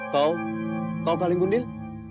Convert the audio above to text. kau kau kaling gundil